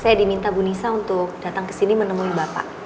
saya diminta bu nisa untuk datang kesini menemui bapak